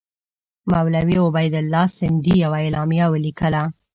مولوي عبیدالله سندي یوه اعلامیه ولیکله.